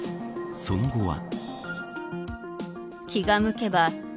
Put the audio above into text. その後は。